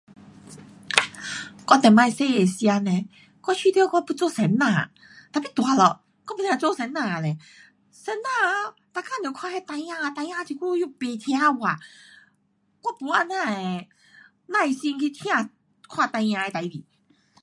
我以前小的时候呢,我觉得我要做老师。da 较大了我不要做做老师嘞，做老师啊每天都看那孩儿，孩儿这久又不听话，我没这样的耐心去听，看孩儿的事情。